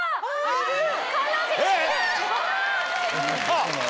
あっ！